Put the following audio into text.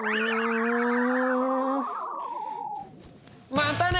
またね！